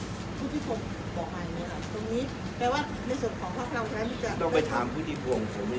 เริ่มโอกาสเรื่องโพตารท่านจีนเดี๋ยวอาการงานประชุมทักษ์